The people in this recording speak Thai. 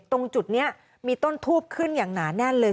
ตรงจุดนี้มีต้นทูบขึ้นอย่างหนาแน่นเลย